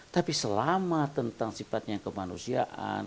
tapi selama tentang sifatnya kemanusiaan